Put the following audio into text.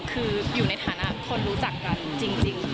คืออยู่ในฐานะคนรู้จักกันจริง